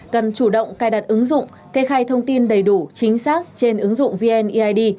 cần chủ động cài đặt ứng dụng kê khai thông tin đầy đủ chính xác trên ứng dụng vneid